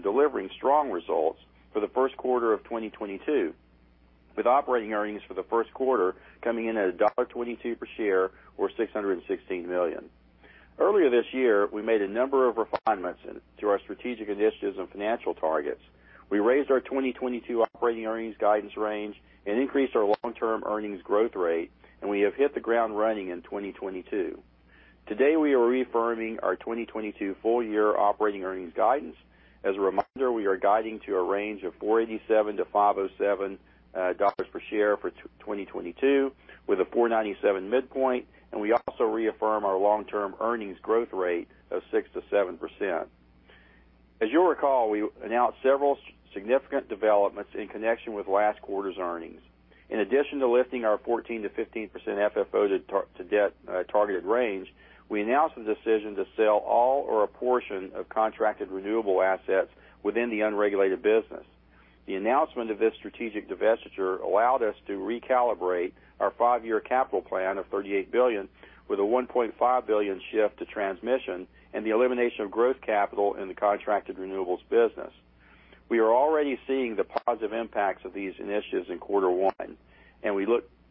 Our strongest ever Q4. We are maintaining that momentum and delivering strong results for the Q1 of 2022, with operating earnings for the Q1 coming in at $1.22 per share or $616 million. Earlier this year, we made a number of refinements to our strategic initiatives and financial targets. We raised our 2022 operating earnings guidance range and increased our long-term earnings growth rate, and we have hit the ground running in 2022. Today, we are reaffirming our 2022 full-year operating earnings guidance. As a reminder, we are guiding to a range of $4.70-$5.07 dollars per share for 2022 with a $4.97 midpoint. We also reaffirm our long-term earnings growth rate of 6%-7%. As you'll recall, we announced several significant developments in connection with last quarter's earnings. In addition to lifting our 14%-15% FFO to debt targeted range, we announced the decision to sell all or a portion of contracted renewable assets within the unregulated business. The announcement of this strategic divestiture allowed us to recalibrate our five-year capital plan of $38 billion, with a $1.5 billion shift to transmission and the elimination of growth capital in the contracted renewables business. We are already seeing the positive impacts of these initiatives in quarter one, and we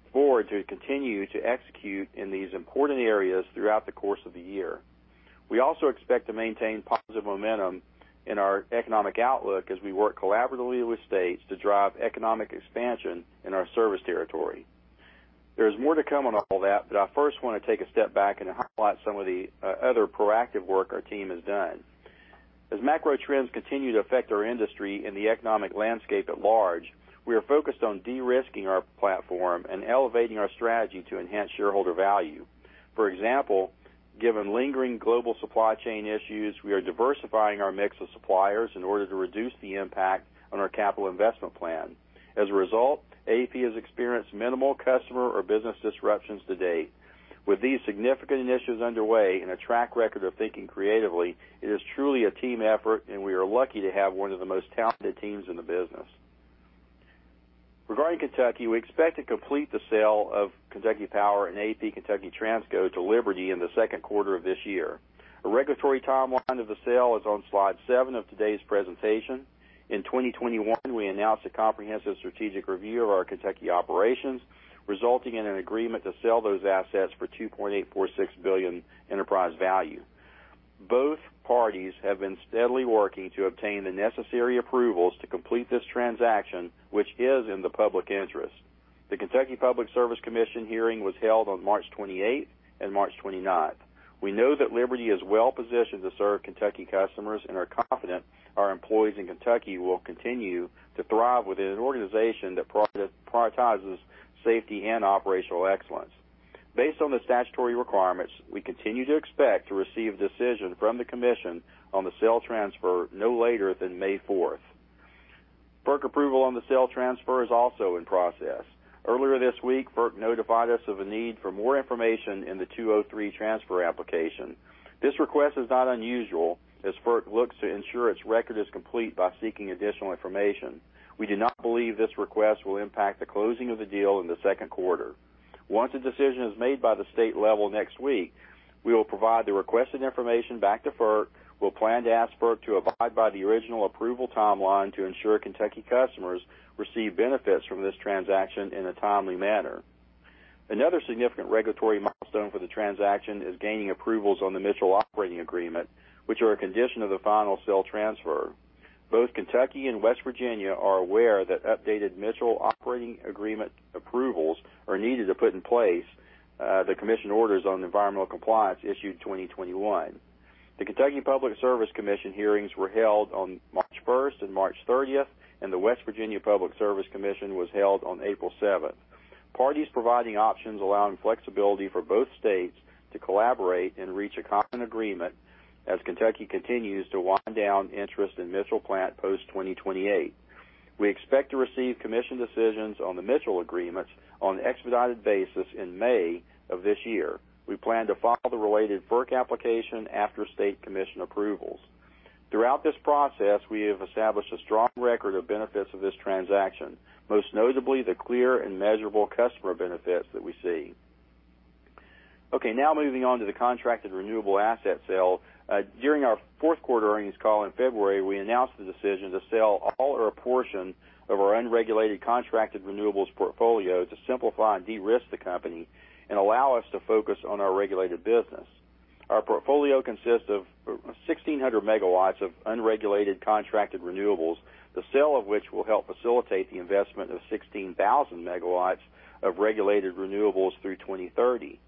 look forward to continue to execute in these important areas throughout the course of the year. We also expect to maintain positive momentum in our economic outlook as we work collaboratively with states to drive economic expansion in our service territory. There's more to come on all that, but I first wanna take a step back and highlight some of the other proactive work our team has done. As macro trends continue to affect our industry and the economic landscape at large, we are focused on de-risking our platform and elevating our strategy to enhance shareholder value. For example, given lingering global supply chain issues, we are diversifying our mix of suppliers in order to reduce the impact on our capital investment plan. As a result, AEP has experienced minimal customer or business disruptions to date. With these significant initiatives underway and a track record of thinking creatively, it is truly a team effort, and we are lucky to have one of the most talented teams in the business. Regarding Kentucky, we expect to complete the sale of Kentucky Power and AEP Kentucky Transco to Liberty in the Q2 of this year. A regulatory timeline of the sale is on slide 7 of today's presentation. In 2021, we announced a comprehensive strategic review of our Kentucky operations, resulting in an agreement to sell those assets for $2.846 billion enterprise value. Both parties have been steadily working to obtain the necessary approvals to complete this transaction, which is in the public interest. The Kentucky Public Service Commission hearing was held on March 28th and March 29th. We know that Liberty is well-positioned to serve Kentucky customers and are confident our employees in Kentucky will continue to thrive within an organization that prioritizes safety and operational excellence. Based on the statutory requirements, we continue to expect to receive a decision from the commission on the sale transfer no later than May 4. FERC approval on the sale transfer is also in process. Earlier this week, FERC notified us of a need for more information in the 203 transfer application. This request is not unusual as FERC looks to ensure its record is complete by seeking additional information. We do not believe this request will impact the closing of the deal in the Q2. Once a decision is made by the state level next week, we will provide the requested information back to FERC. We'll plan to ask FERC to abide by the original approval timeline to ensure Kentucky customers receive benefits from this transaction in a timely manner. Another significant regulatory milestone for the transaction is gaining approvals on the Mitchell operating agreement, which are a condition of the final sale transfer. Both Kentucky and West Virginia are aware that updated Mitchell operating agreement approvals are needed to put in place the commission orders on environmental compliance issued in 2021. The Kentucky Public Service Commission hearings were held on March 1 and March 30, and the Public Service Commission of West Virginia was held on April 7. Parties providing options allowing flexibility for both states to collaborate and reach a common agreement as Kentucky continues to wind down interest in Mitchell Plant post 2028. We expect to receive commission decisions on the Mitchell agreements on an expedited basis in May of this year. We plan to file the related FERC application after state commission approvals. Throughout this process, we have established a strong record of benefits of this transaction, most notably the clear and measurable customer benefits that we see. Okay, now moving on to the contracted renewable asset sale. During our Q4 earnings call in February, we announced the decision to sell all or a portion of our unregulated contracted renewables portfolio to simplify and de-risk the company and allow us to focus on our regulated business. Our portfolio consists of 600 megawatts of unregulated contracted renewables, the sale of which will help facilitate the investment of 16,000 megawatts of regulated renewables through 2030.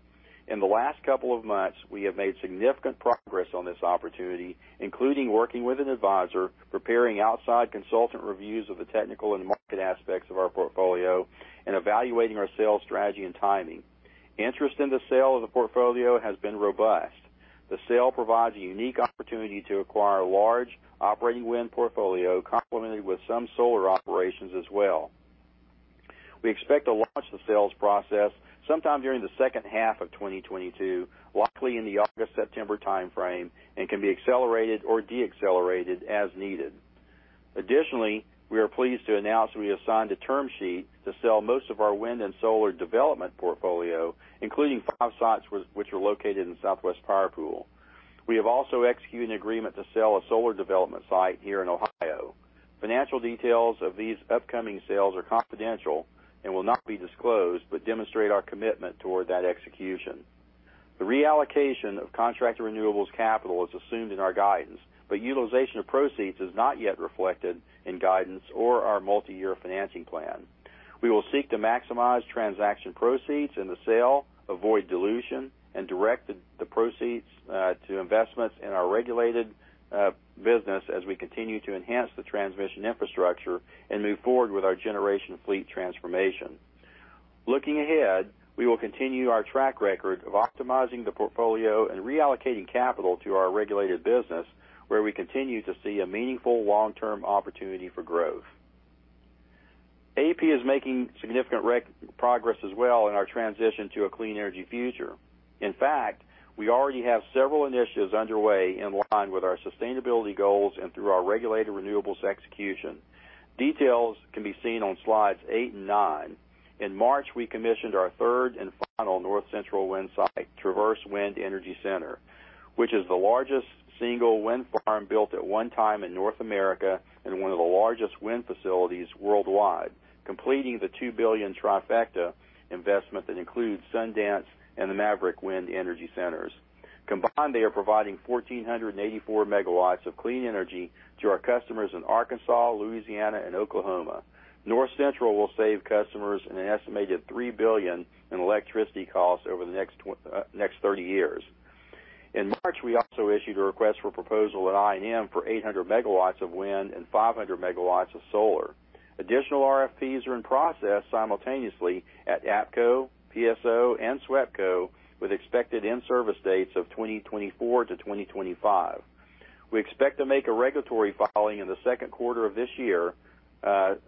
In the last couple of months, we have made significant progress on this opportunity, including working with an advisor, preparing outside consultant reviews of the technical and market aspects of our portfolio, and evaluating our sales strategy and timing. Interest in the sale of the portfolio has been robust. The sale provides a unique opportunity to acquire a large operating wind portfolio complemented with some solar operations as well. We expect to launch the sales process sometime during the H2 of 2022, likely in the August-September time frame, and can be accelerated or de-accelerated as needed. Additionally, we are pleased to announce we have signed a term sheet to sell most of our wind and solar development portfolio, including five sites which are located in Southwest Power Pool. We have also executed an agreement to sell a solar development site here in Ohio. Financial details of these upcoming sales are confidential and will not be disclosed, but demonstrate our commitment toward that execution. The reallocation of contracted renewables capital is assumed in our guidance, but utilization of proceeds is not yet reflected in guidance or our multiyear financing plan. We will seek to maximize transaction proceeds in the sale, avoid dilution, and direct the proceeds to investments in our regulated business as we continue to enhance the transmission infrastructure and move forward with our generation fleet transformation. Looking ahead, we will continue our track record of optimizing the portfolio and reallocating capital to our regulated business, where we continue to see a meaningful long-term opportunity for growth. AEP is making significant progress as well in our transition to a clean energy future. In fact, we already have several initiatives underway in line with our sustainability goals and through our regulated renewables execution. Details can be seen on slides eight and nine. In March, we commissioned our third and final North Central wind site, Traverse Wind Energy Center, which is the largest single wind farm built at one time in North America and one of the largest wind facilities worldwide, completing the $2 billion trifecta investment that includes Sundance and the Maverick Wind Energy Centers. Combined, they are providing 1,484 megawatts of clean energy to our customers in Arkansas, Louisiana, and Oklahoma. North Central will save customers an estimated $3 billion in electricity costs over the next thirty years. In March, we also issued a request for proposal at I&M for 800 megawatts of wind and 500 megawatts of solar. Additional RFPs are in process simultaneously at APCo, PSO, and SWEPCo, with expected in-service dates of 2024-2025. We expect to make a regulatory filing in the Q2 of this year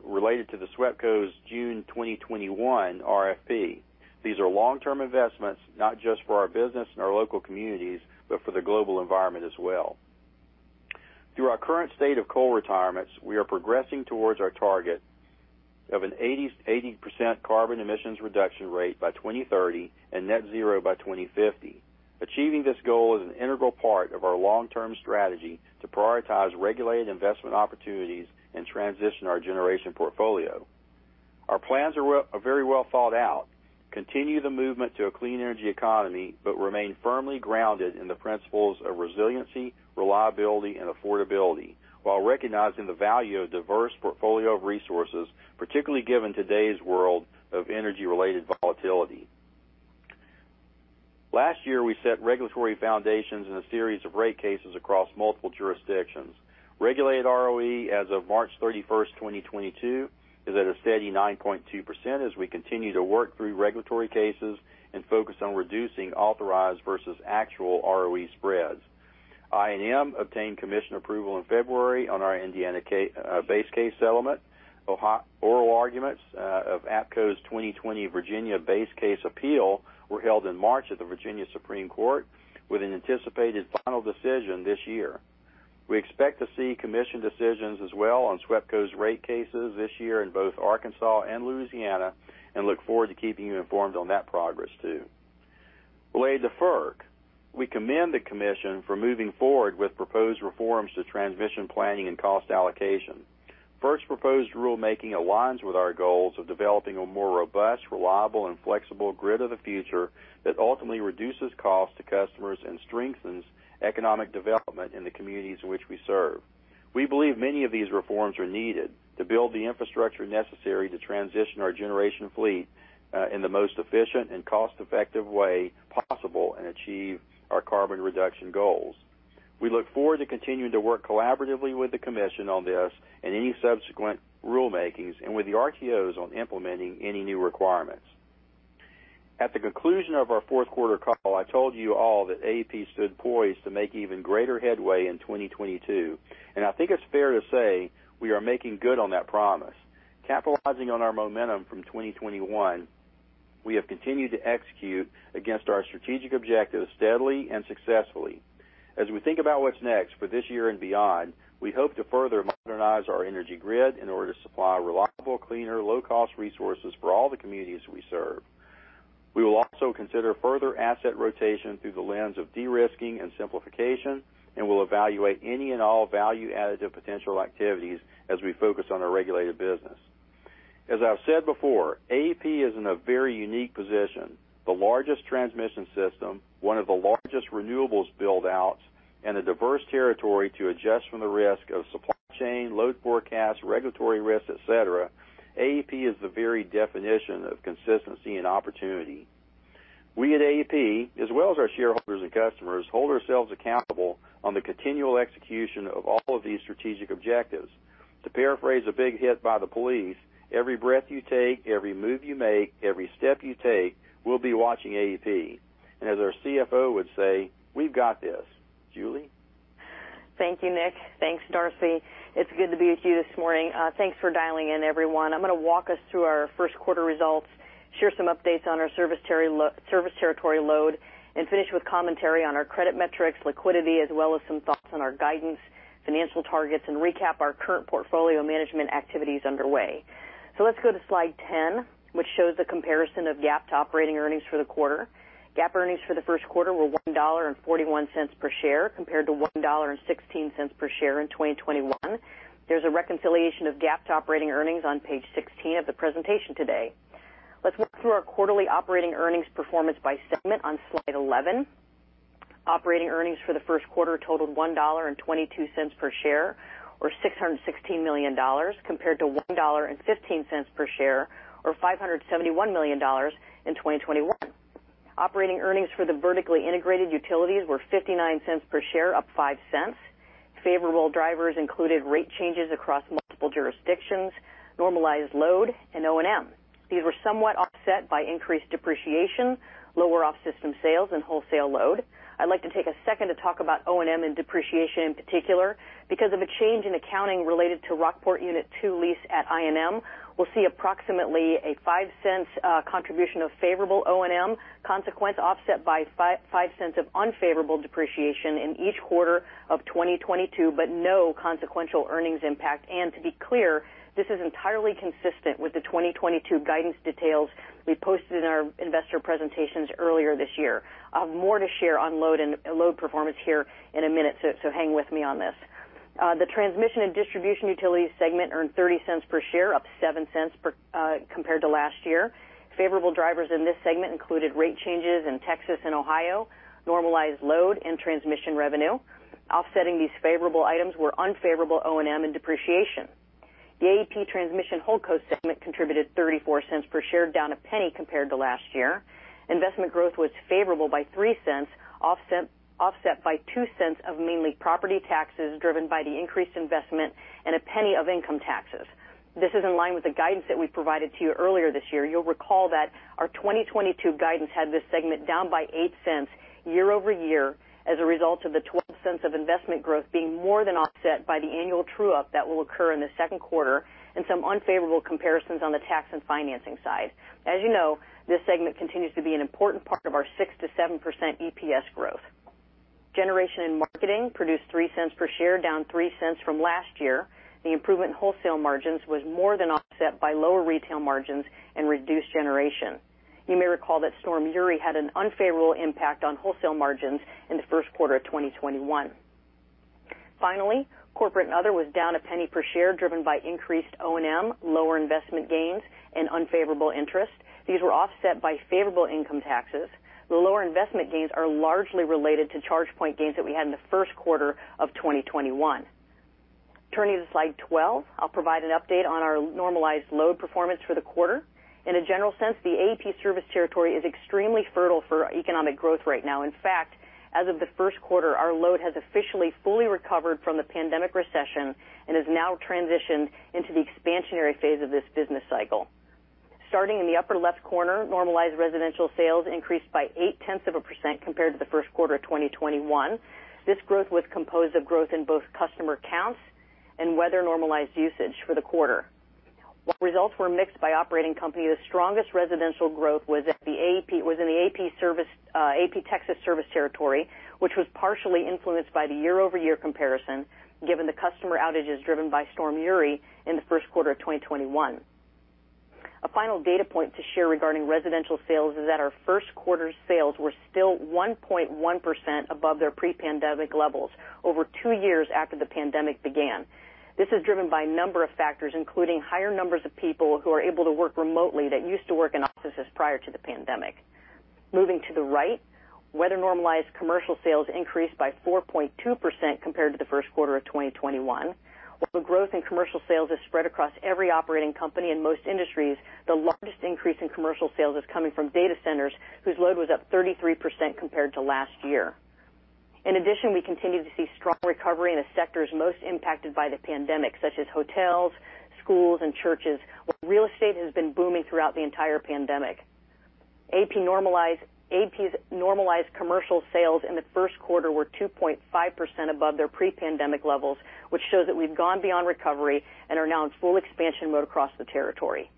related to the SWEPCO's June 2021 RFP. These are long-term investments, not just for our business and our local communities, but for the global environment as well. Through our current state of coal retirements, we are progressing towards our target of an 80% carbon emissions reduction rate by 2030 and net zero by 2050. Achieving this goal is an integral part of our long-term strategy to prioritize regulated investment opportunities and transition our generation portfolio. Our plans are very well thought out, continue the movement to a clean energy economy, but remain firmly grounded in the principles of resiliency, reliability, and affordability while recognizing the value of diverse portfolio of resources, particularly given today's world of energy-related volatility. Last year, we set regulatory foundations in a series of rate cases across multiple jurisdictions. Regulated ROE as of March 31st, 2022, is at a steady 9.2% as we continue to work through regulatory cases and focus on reducing authorized versus actual ROE spreads. I&M obtained commission approval in February on our Indiana base case settlement. Oral arguments of APCo's 2020 Virginia base case appeal were held in March at the Supreme Court of Virginia with an anticipated final decision this year. We expect to see commission decisions as well on SWEPCO's rate cases this year in both Arkansas and Louisiana, and look forward to keeping you informed on that progress, too. Related to FERC, we commend the commission for moving forward with proposed reforms to transmission planning and cost allocation. FERC's proposed rulemaking aligns with our goals of developing a more robust, reliable, and flexible grid of the future that ultimately reduces costs to customers and strengthens economic development in the communities in which we serve. We believe many of these reforms are needed to build the infrastructure necessary to transition our generation fleet in the most efficient and cost-effective way possible and achieve our carbon reduction goals. We look forward to continuing to work collaboratively with the commission on this and any subsequent rulemakings and with the RTOs on implementing any new requirements. At the conclusion of our Q4 call, I told you all that AEP stood poised to make even greater headway in 2022, and I think it's fair to say we are making good on that promise. Capitalizing on our momentum from 2021, we have continued to execute against our strategic objectives steadily and successfully. As we think about what's next for this year and beyond, we hope to further modernize our energy grid in order to supply reliable, cleaner, low-cost resources for all the communities we serve. We will also consider further asset rotation through the lens of de-risking and simplification, and we'll evaluate any and all value-added potential activities as we focus on our regulated business. As I've said before, AEP is in a very unique position. The largest transmission system, one of the largest renewables build-outs, and a diverse territory to adjust from the risk of supply chain, load forecast, regulatory risks, et cetera. AEP is the very definition of consistency and opportunity. We at AEP, as well as our shareholders and customers, hold ourselves accountable on the continual execution of all of these strategic objectives. To paraphrase a big hit by The Police, every breath you take, every move you make, every step you take, we'll be watching AEP. As our CFO would say, we've got this. Julie? Thank you, Nick. Thanks, Darcy. It's good to be with you this morning. Thanks for dialing in, everyone. I'm gonna walk us through our Q1 results, share some updates on our service territory load, and finish with commentary on our credit metrics, liquidity, as well as some thoughts on our guidance, financial targets, and recap our current portfolio management activities underway. Let's go to slide 10, which shows a comparison of GAAP to operating earnings for the quarter. GAAP earnings for the Q1 were $1.41 per share compared to $1.16 per share in 2021. There's a reconciliation of GAAP to operating earnings on page 16 of the presentation today. Let's walk through our quarterly operating earnings performance by segment on slide 11. Operating earnings for the Q1 totaled $1.22 per share, or $616 million compared to $1.15 per share, or $571 million in 2021. Operating earnings for the vertically integrated utilities were $0.59 per share, up $0.05. Favorable drivers included rate changes across multiple jurisdictions, normalized load, and O&M. These were somewhat offset by increased depreciation, lower off-system sales, and wholesale load. I'd like to take a second to talk about O&M and depreciation in particular. Because of a change in accounting related to Rockport Unit Two lease at I&M, we'll see approximately a $0.05 contribution of favorable O&M, consequent offset by $0.05 of unfavorable depreciation in each quarter of 2022, but no consequential earnings impact. To be clear, this is entirely consistent with the 2022 guidance details we posted in our investor presentations earlier this year. I'll have more to share on load and load performance here in a minute, so hang with me on this. The transmission and distribution utilities segment earned $0.30 per share, up $0.07 compared to last year. Favorable drivers in this segment included rate changes in Texas and Ohio, normalized load and transmission revenue. Offsetting these favorable items were unfavorable O&M and depreciation. The AEP Transmission Holdco segment contributed $0.34 per share, down $0.01 compared to last year. Investment growth was favorable by $0.03, offset by $0.02 of mainly property taxes driven by the increased investment and $0.01 of income taxes. This is in line with the guidance that we provided to you earlier this year. You'll recall that our 2022 guidance had this segment down $0.08 year-over-year as a result of the $0.12 of investment growth being more than offset by the annual true-up that will occur in the Q2 and some unfavorable comparisons on the tax and financing side. As you know, this segment continues to be an important part of our 6%-7% EPS growth. Generation and marketing produced $0.03 per share, down $0.03 from last year. The improvement in wholesale margins was more than offset by lower retail margins and reduced generation. You may recall that Winter Storm Uri had an unfavorable impact on wholesale margins in the Q1 of 2021. Finally, corporate and other was down $0.01 per share, driven by increased O&M, lower investment gains, and unfavorable interest. These were offset by favorable income taxes. The lower investment gains are largely related to ChargePoint gains that we had in the Q1 of 2021. Turning to slide 12, I'll provide an update on our normalized load performance for the quarter. In a general sense, the AEP service territory is extremely fertile for economic growth right now. In fact, as of the Q1, our load has officially fully recovered from the pandemic recession and has now transitioned into the expansionary phase of this business cycle. Starting in the upper left corner, normalized residential sales increased by 0.8% compared to the Q1 of 2021. This growth was composed of growth in both customer counts and weather-normalized usage for the quarter. While results were mixed by operating company, the strongest residential growth was in the AEP service, AEP Texas service territory, which was partially influenced by the year-over-year comparison, given the customer outages driven by Storm Uri in the Q1 of 2021. A final data point to share regarding residential sales is that our Q1 sales were still 1.1% above their pre-pandemic levels over two years after the pandemic began. This is driven by a number of factors, including higher numbers of people who are able to work remotely that used to work in offices prior to the pandemic. Moving to the right, weather-normalized commercial sales increased by 4.2% compared to the Q1 of 2021. While growth in commercial sales is spread across every operating company in most industries, the largest increase in commercial sales is coming from data centers, whose load was up 33% compared to last year. In addition, we continue to see strong recovery in the sectors most impacted by the pandemic, such as hotels, schools and churches. While real estate has been booming throughout the entire pandemic. AP's normalized commercial sales in the Q1 were 2.5% above their pre-pandemic levels, which shows that we've gone beyond recovery and are now in full expansion mode across the territory.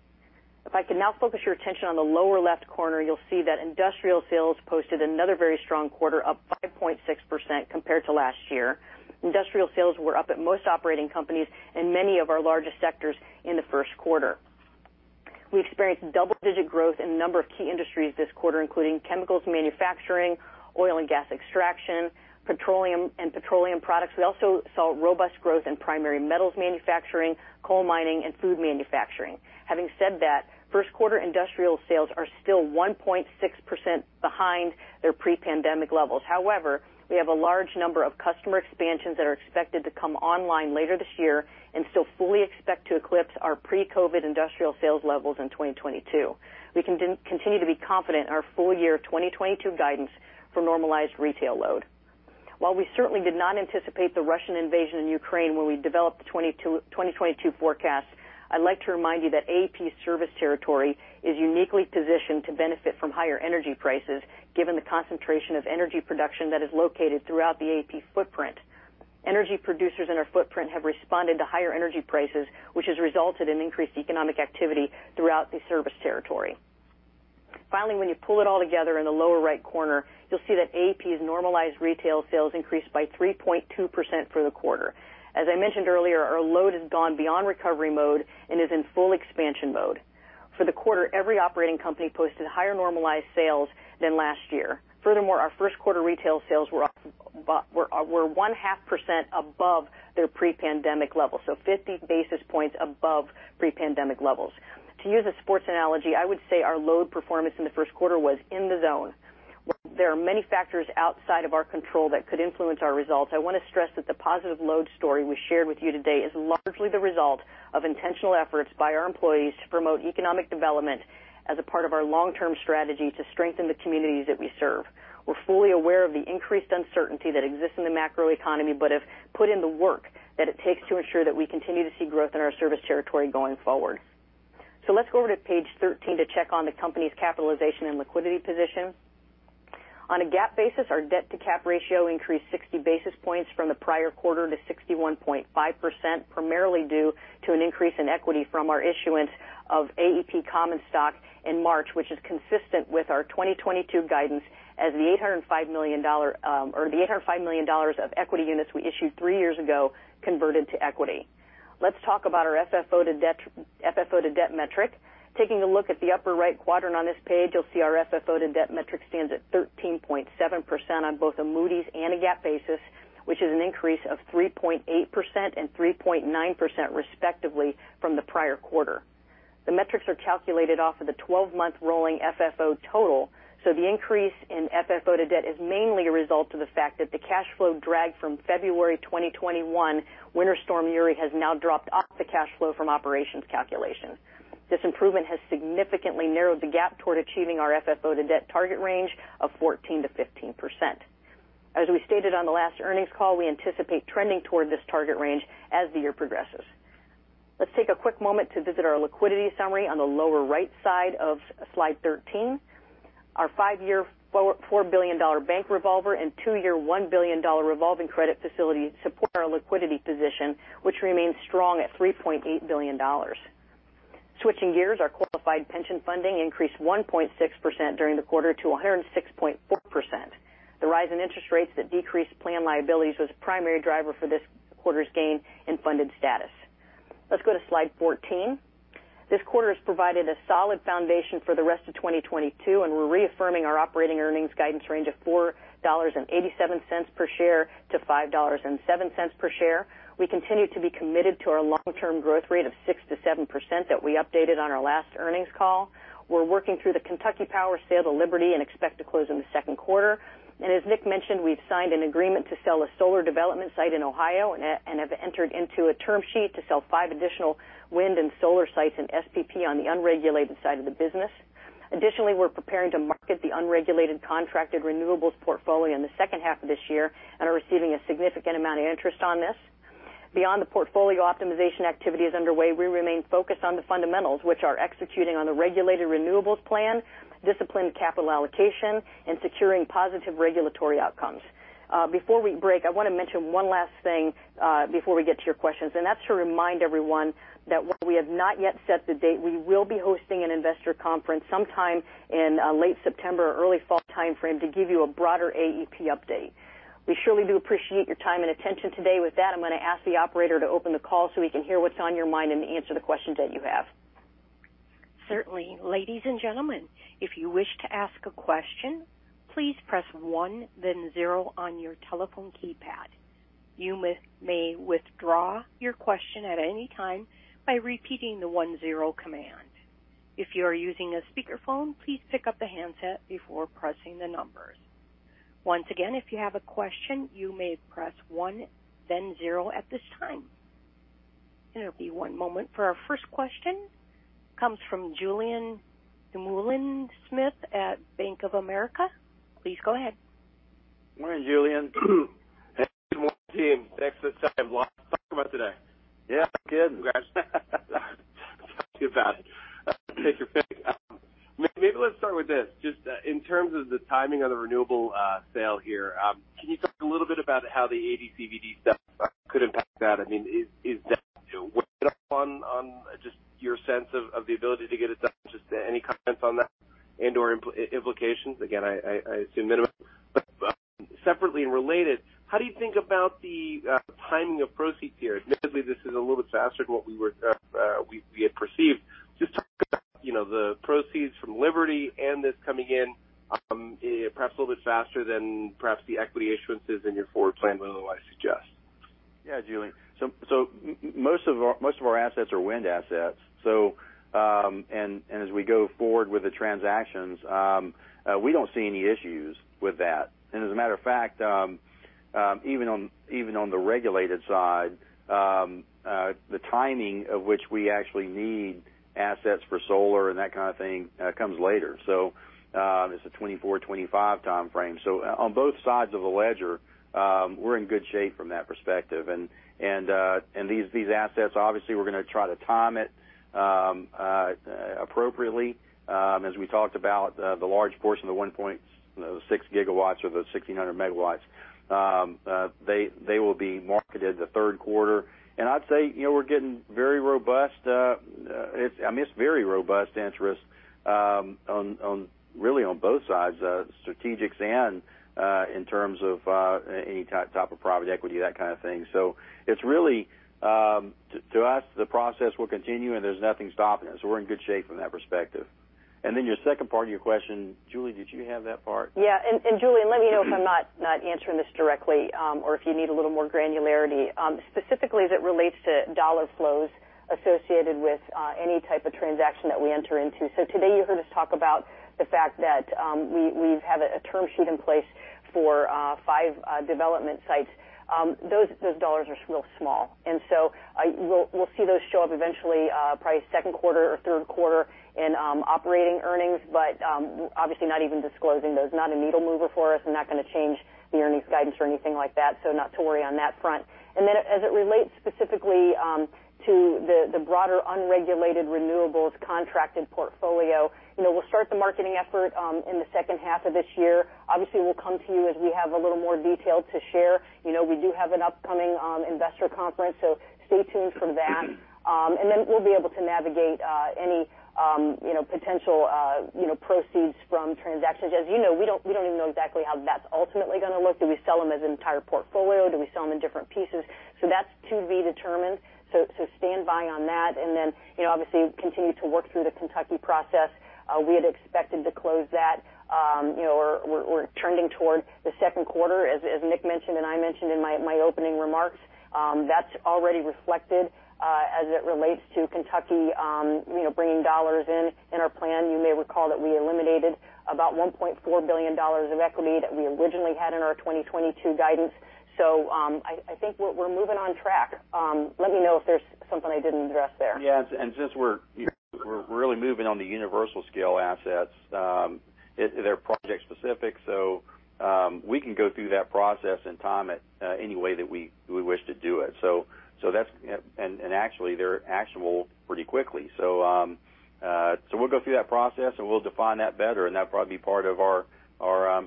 If I can now focus your attention on the lower left corner, you'll see that industrial sales posted another very strong quarter, up 5.6% compared to last year. Industrial sales were up at most operating companies in many of our largest sectors in the Q1. We experienced double-digit growth in a number of key industries this quarter, including chemicals manufacturing, oil and gas extraction, petroleum and petroleum products. We also saw robust growth in primary metals manufacturing, coal mining, and food manufacturing. Having said that, Q1 industrial sales are still 1.6% behind their pre-pandemic levels. However, we have a large number of customer expansions that are expected to come online later this year and still fully expect to eclipse our pre-COVID industrial sales levels in 2022. We continue to be confident in our full year 2022 guidance for normalized retail load. While we certainly did not anticipate the Russian invasion in Ukraine when we developed the 2022 forecast, I'd like to remind you that AEP's service territory is uniquely positioned to benefit from higher energy prices, given the concentration of energy production that is located throughout the AEP footprint. Energy producers in our footprint have responded to higher energy prices, which has resulted in increased economic activity throughout the service territory. Finally, when you pull it all together in the lower right corner, you'll see that AEP's normalized retail sales increased by 3.2% for the quarter. As I mentioned earlier, our load has gone beyond recovery mode and is in full expansion mode. For the quarter, every operating company posted higher normalized sales than last year. Furthermore, our Q1 retail sales were up 0.5% above their pre-pandemic level, so 50 basis points above pre-pandemic levels. To use a sports analogy, I would say our load performance in the Q1 was in the zone. There are many factors outside of our control that could influence our results. I want to stress that the positive load story we shared with you today is largely the result of intentional efforts by our employees to promote economic development as a part of our long-term strategy to strengthen the communities that we serve. We're fully aware of the increased uncertainty that exists in the macro economy, but have put in the work that it takes to ensure that we continue to see growth in our service territory going forward. Let's go over to page 13 to check on the company's capitalization and liquidity position. On a GAAP basis, our debt-to-cap ratio increased 60 basis points from the prior quarter to 61.5%, primarily due to an increase in equity from our issuance of AEP common stock in March, which is consistent with our 2022 guidance as the $805 million dollar, or the $805 million dollars of equity units we issued three years ago converted to equity. Let's talk about our FFO to debt metric. Taking a look at the upper right quadrant on this page, you'll see our FFO to debt metric stands at 13.7% on both a Moody's and a GAAP basis, which is an increase of 3.8% and 3.9% respectively from the prior quarter. The metrics are calculated off of the 12-month rolling FFO total, so the increase in FFO to debt is mainly a result of the fact that the cash flow drag from February 2021 Winter Storm Uri has now dropped off the cash flow from operations calculations. This improvement has significantly narrowed the gap toward achieving our FFO to debt target range of 14%-15%. As we stated on the last earnings call, we anticipate trending toward this target range as the year progresses. Let's take a quick moment to visit our liquidity summary on the lower right side of slide 13. Our five-year $4.4 billion bank revolver and two-year $1 billion revolving credit facility support our liquidity position, which remains strong at $3.8 billion. Switching gears, our qualified pension funding increased 1.6% during the quarter to 106.4%. The rise in interest rates that decreased plan liabilities was a primary driver for this quarter's gain in funded status. Let's go to slide 14. This quarter has provided a solid foundation for the rest of 2022, and we're reaffirming our operating earnings guidance range of $4.87 per share-$5.07 per share. We continue to be committed to our long-term growth rate of 6%-7% that we updated on our last earnings call. We're working through the Kentucky Power sale to Liberty and expect to close in the Q2. as Nick mentioned, we've signed an agreement to sell a solar development site in Ohio and have entered into a term sheet to sell five additional wind and solar sites in SPP on the unregulated side of the business. Additionally, we're preparing to market the unregulated contracted renewables portfolio in the H2 of this year and are receiving a significant amount of interest on this. Beyond the portfolio optimization activities underway, we remain focused on the fundamentals, which are executing on the regulated renewables plan, disciplined capital allocation, and securing positive regulatory outcomes. Before we break, I want to mention one last thing, before we get to your questions, and that's to remind everyone that while we have not yet set the date, we will be hosting an investor conference sometime in late September or early fall timeframe to give you a broader AEP update. We surely do appreciate your time and attention today. With that, I'm going to ask the operator to open the call so we can hear what's on your mind and answer the questions that you have. Certainly. Ladies and gentlemen, if you wish to ask a question, please press one, then zero on your telephone keypad. You may withdraw your question at any time by repeating the one zero command. If you are using a speakerphone, please pick up the handset before pressing the numbers. Once again, if you have a question, you may press one, then zero at this time. It'll be one moment for our first question. Comes from Julien Dumoulin-Smith at Bank of America. Please go ahead. Morning, Julien. Hey, good morning, team. Thanks for setting a lot to talk about today. Yeah. Congrats. Talk about it. Take your pick. Maybe let's start with this. Just in terms of the timing on the renewable sale here, can you talk a little bit about how the AD/CVDs could impact that? I mean, is that one on just your sense of the ability to get it done? Just any comments on that and/or implications? Again, I assume minimum. Separately and related, how do you think about the timing of proceeds here? Admittedly, this is a little bit faster than what we were, we had perceived. Just, you know, the proceeds from Liberty and this coming in, perhaps a little bit faster than perhaps the equity issuances in your forward plan, whether or not I suggest. Yeah, Julien. Most of our assets are wind assets. As we go forward with the transactions, we don't see any issues with that. As a matter of fact, even on the regulated side, the timing of which we actually need assets for solar and that kind of thing, comes later. It's a 2024-2025 time frame. On both sides of the ledger, we're in good shape from that perspective. These assets, obviously, we're going to try to time it appropriately. As we talked about, the large portion of the 1.6 gigawatts or the 1,600 megawatts, they will be marketed the Q3. I'd say, you know, we're getting very robust. I mean, it's very robust interest on both sides, strategics and in terms of any type of private equity, that kind of thing. It's really throughout the process, we're continuing. There's nothing stopping us. We're in good shape from that perspective. Your second part of your question. Julie, did you have that part? Julien, let me know if I'm not answering this directly, or if you need a little more granularity, specifically as it relates to dollar flows associated with any type of transaction that we enter into. Today, you heard us talk about the fact that we have a term sheet in place for five development sites. Those dollars are real small. We'll see those show up eventually, probably Q2 or Q3 in operating earnings, but obviously not even disclosing those, not a needle mover for us. We're not going to change the earnings guidance or anything like that, so not to worry on that front. As it relates specifically to the broader unregulated renewables contracted portfolio, you know, we'll start the marketing effort in the H2 of this year. Obviously, we'll come to you as we have a little more detail to share. You know, we do have an upcoming investor conference, so stay tuned for that. We'll be able to navigate any you know, potential you know, proceeds from transactions. As you know, we don't even know exactly how that's ultimately going to look. Do we sell them as an entire portfolio? Do we sell them in different pieces? That's to be determined. Stand by on that. You know, obviously, we continue to work through the Kentucky process. We had expected to close that, you know, or we're trending towards the Q2. As Nick mentioned, and I mentioned in my opening remarks, that's already reflected as it relates to Kentucky, you know, bringing dollars in our plan. You may recall that we eliminated about $1.4 billion of equity that we originally had in our 2022 guidance. I think we're moving on track. Let me know if there's something I didn't address there. Yeah. Since we're really moving on the universal scale assets, they're project-specific, so we can go through that process and time it any way that we wish to do it. That's actually pretty quickly. We'll go through that process, and we'll define that better, and that'll probably be part of our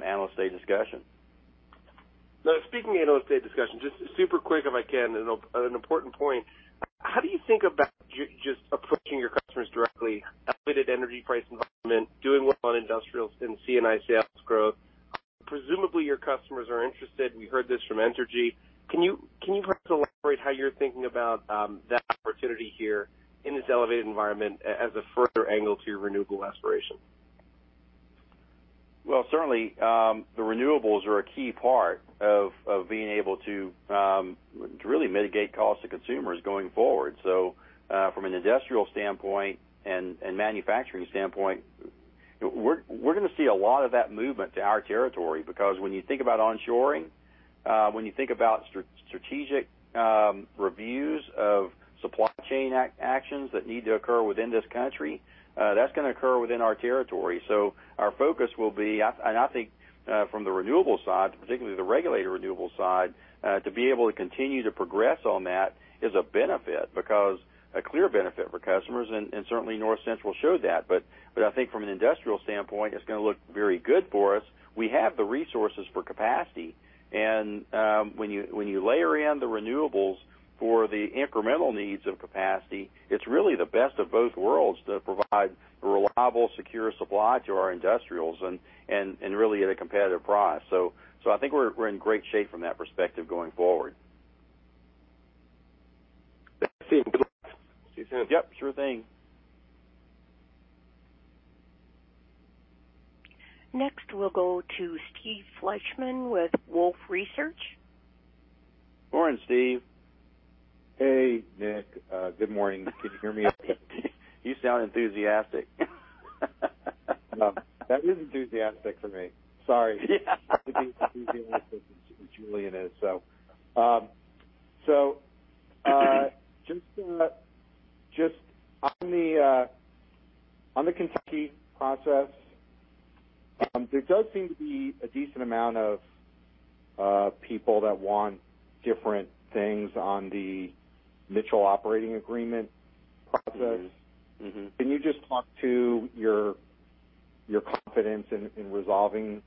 Analyst Day discussion. Speaking of analyst day discussion, just super quick, if I can, an important point. How do you think about just approaching your customers directly, elevated energy price environment, doing well on industrials and C&I sales growth? Presumably, your customers are interested. We heard this from Entergy. Can you perhaps elaborate how you're thinking about that opportunity here in this elevated environment as a further angle to your renewable aspiration? Well, certainly, the renewables are a key part of being able to really mitigate costs to consumers going forward. From an industrial standpoint and manufacturing standpoint, we're going to see a lot of that movement to our territory because when you think about onshoring, when you think about strategic reviews of supply chain actions that need to occur within this country, that's gonna occur within our territory. Our focus will be, and I think, from the renewable side, particularly the regulated renewable side, to be able to continue to progress on that is a benefit because a clear benefit for customers and certainly North Central showed that. I think from an industrial standpoint, it's gonna look very good for us. We have the resources for capacity. When you layer in the renewables for the incremental needs of capacity, it's really the best of both worlds to provide a reliable, secure supply to our industrials and really at a competitive price. I think we're in great shape from that perspective going forward. Thanks, Steve. Good luck. See you soon. Yep, sure thing. Next, we'll go to Steve Fleishman with Wolfe Research. Morning, Steve. Hey, Nick. Good morning. Can you hear me okay? You sound enthusiastic. No, that is enthusiastic for me. Sorry. Yeah. I think it's as enthusiastic as Julien Dumoulin-Smith is. Just on the Kentucky process, there does seem to be a decent amount of people that want different things on the Mitchell operating agreement process. Mm-hmm. Mm-hmm. Can you just talk to your confidence in resolving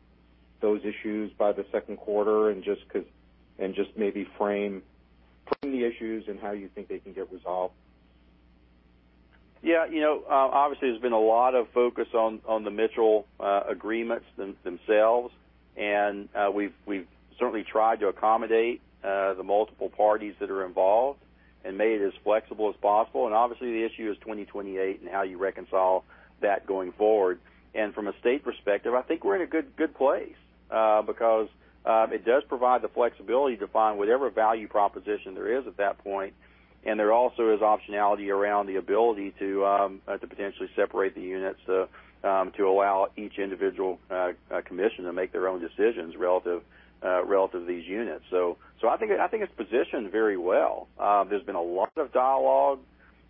those issues by the Q2? Just maybe frame some of the issues and how you think they can get resolved. Yeah. You know, obviously, there's been a lot of focus on the Mitchell agreements themselves. We've certainly tried to accommodate the multiple parties that are involved and made it as flexible as possible. Obviously, the issue is 2028 and how you reconcile that going forward. From a state perspective, I think we're in a good place because it does provide the flexibility to find whatever value proposition there is at that point. There also is optionality around the ability to potentially separate the units to allow each individual commission to make their own decisions relative to these units. I think it's positioned very well. There's been a lot of dialogue,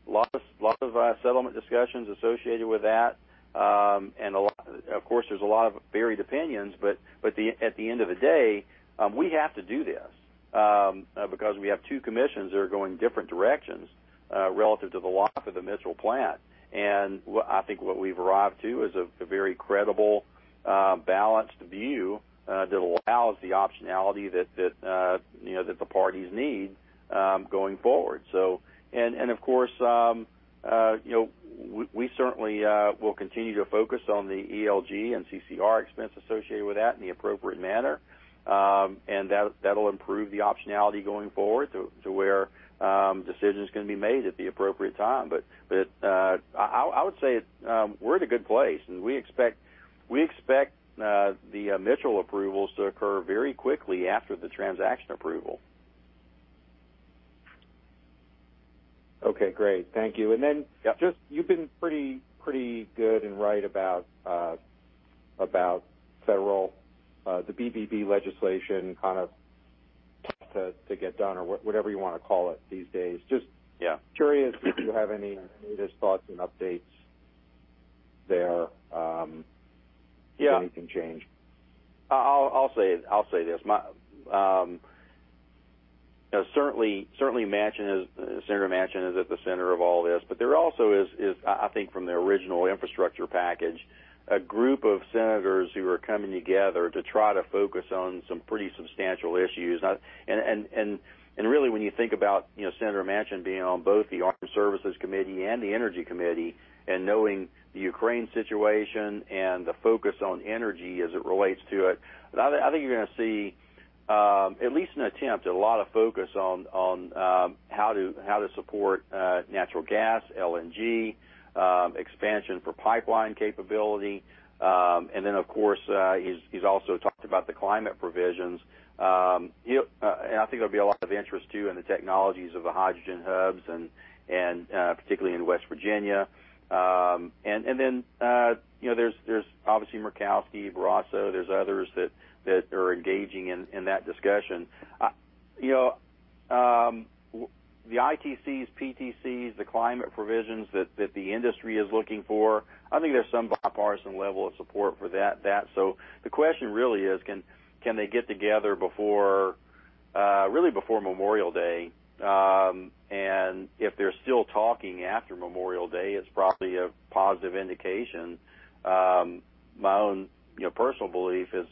lots of settlement discussions associated with that. Of course, there's a lot of varied opinions. At the end of the day, we have to do this because we have two commissions that are going different directions relative to the life of the Mitchell plant. I think what we've arrived to is a very credible balanced view that allows the optionality that you know that the parties need going forward. Of course, you know, we certainly will continue to focus on the ELG and CCR expense associated with that in the appropriate manner. That'll improve the optionality going forward to where decisions can be made at the appropriate time. I would say we're in a good place, and we expect the Mitchell approvals to occur very quickly after the transaction approval. Okay, great. Thank you. Yep. Just, you've been pretty good and right about the federal BBB legislation kind of to get done or whatever you wanna call it these days. Yeah. Curious if you have any latest thoughts and updates there? Yeah. if anything changed. I'll say this. Now, certainly Senator Manchin is at the center of all this, but there also is, I think from the original infrastructure package, a group of senators who are coming together to try to focus on some pretty substantial issues. Really when you think about, you know, Senator Manchin being on both the Armed Services Committee and the Energy Committee and knowing the Ukraine situation and the focus on energy as it relates to it, I think you're gonna see at least an attempt at a lot of focus on how to support natural gas, LNG, expansion for pipeline capability. Then, of course, he's also talked about the climate provisions. You know, I think there'll be a lot of interest, too, in the technologies of the hydrogen hubs and particularly in West Virginia. You know, there's obviously Murkowski, Barrasso, there's others that are engaging in that discussion. The ITCs, PTCs, the climate provisions that the industry is looking for, I think there's some bipartisan level of support for that. The question really is can they get together before really before Memorial Day? If they're still talking after Memorial Day, it's probably a positive indication. My own, you know, personal belief is,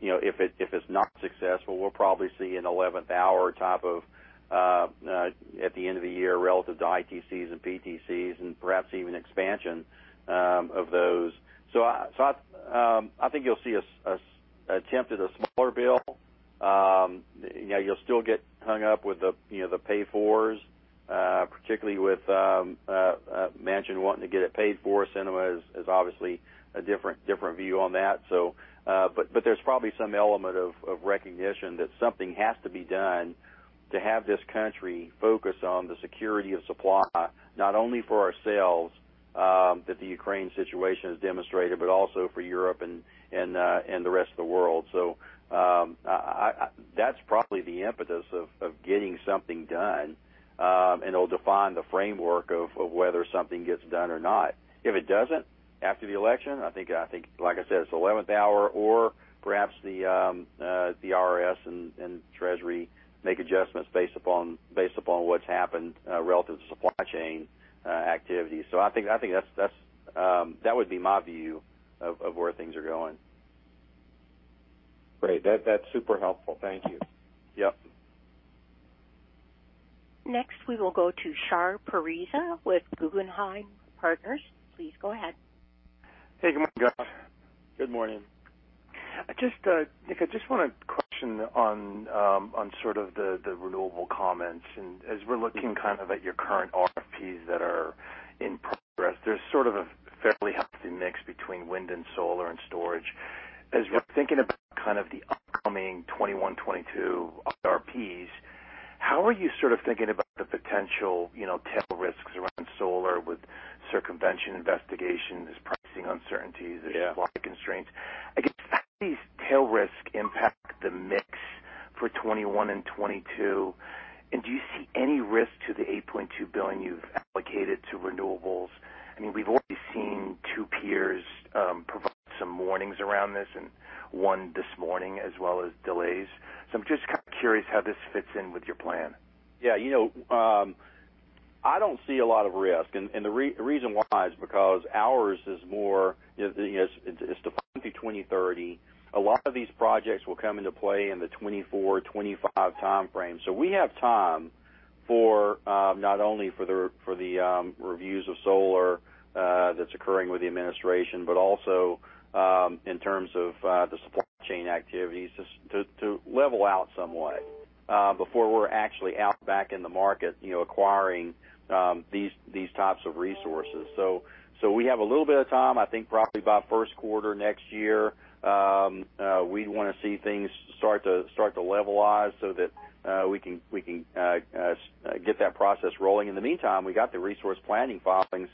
you know, if it's not successful, we'll probably see an eleventh hour type of at the end of the year relative to ITCs and PTCs and perhaps even expansion of those. I think you'll see an attempt at a smaller bill. You know, you'll still get hung up with the, you know, the pay-fors, particularly with Manchin wanting to get it paid for. Sinema is obviously a different view on that. But there's probably some element of recognition that something has to be done to have this country focus on the security of supply, not only for ourselves, that the Ukraine situation has demonstrated, but also for Europe and the rest of the world. That's probably the impetus of getting something done. It'll define the framework of whether something gets done or not. If it doesn't, after the election, I think, like I said, it's eleventh hour or perhaps the IRS and Treasury make adjustments based upon what's happened relative to supply chain activities. I think that would be my view of where things are going. Great. That's super helpful. Thank you. Yep. Next, we will go to Shahriar Pourreza with Guggenheim Securities. Please go ahead. Hey, good morning. Good morning. I just, Nick, I just want a question on sort of the renewable comments. As we're looking kind of at your current RFPs that are in progress, there's sort of a fairly healthy mix between wind and solar and storage. As we're thinking about kind of the upcoming 2021, 2022 RFPs, how are you sort of thinking about the potential, you know, tail risks around solar with circumvention investigation? There's pricing uncertainties. Yeah. There's supply constraints. I guess, how does tail risk impact the mix for 2021 and 2022? And do you see any risk to the $8.2 billion you've allocated to renewables? I mean, we've already seen two peers provide some warnings around this, and one this morning as well as delays. So I'm just kind of curious how this fits in with your plan. Yeah, you know, I don't see a lot of risk. The reason why is because ours is more, you know, to 2030. A lot of these projects will come into play in the 2024-2025 timeframe. We have time for not only the reviews of solar that's occurring with the administration, but also in terms of the supply chain activities to level out somewhat before we're actually back in the market, you know, acquiring these types of resources. We have a little bit of time. I think probably about Q1 next year we want to see things start to levelize so that we can get that process rolling. In the meantime, we got the resource planning filings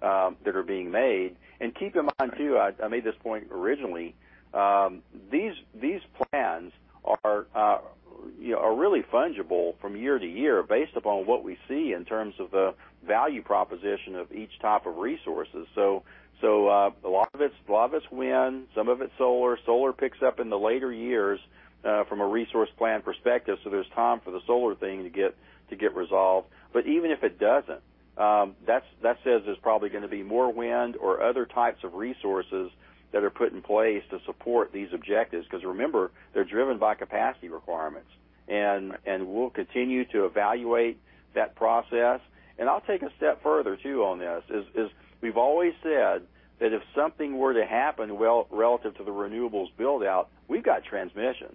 that are being made. Keep in mind, too, I made this point originally, these plans, you know, are really fungible from year to year based upon what we see in terms of the value proposition of each type of resources. So a lot of it's wind, some of it's solar. Solar picks up in the later years from a resource plan perspective, so there's time for the solar thing to get resolved. But even if it doesn't, that says there's probably gonna be more wind or other types of resources that are put in place to support these objectives. Because remember, they're driven by capacity requirements. We'll continue to evaluate that process. I'll take a step further, too, on this. We've always said that if something were to happen, well, relative to the renewables build-out, we've got transmission.